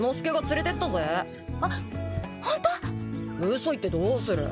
嘘言ってどうする。